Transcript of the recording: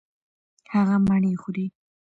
هغه مڼې خوري.